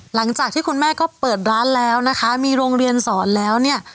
หลังจากที่คุณแม่ก็เปิดร้านแล้วนะคะมีโรงเรียนสอนแล้วเนี่ย